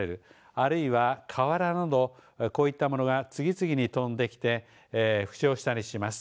あるいは、瓦などこういったものが次々に飛んできて負傷したりします。